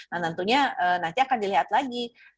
nah tentunya nanti akan dilihat lagi